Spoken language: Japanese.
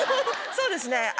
そうですね。